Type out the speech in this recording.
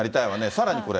さらにこれ。